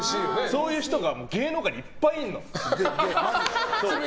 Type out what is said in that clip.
そういう人が芸能界にいっぱいいるの。